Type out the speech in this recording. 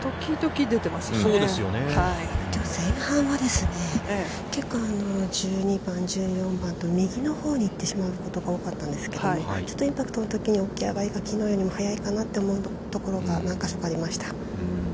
◆きょう前半はですね、結構１２番、１４番と、右のほうに行ってしまうことが多かったんですけれども、インパクトのときに起き上がりがきのうより早いかなと思うところが、何か所かありました。